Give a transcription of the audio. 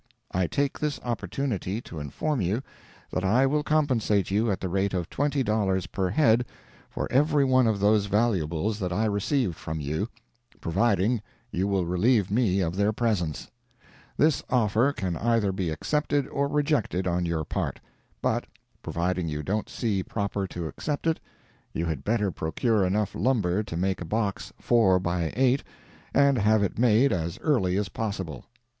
I take this opportunity to inform you that I will compensate you at the rate of $20 per head for every one of those valuables that I received from you, providing you will relieve me of their presence. This offer can either be accepted or rejected on your part: but, providing you don't see proper to accept it, you had better procure enough lumber to make a box 4 x 8, and have it made as early as possible.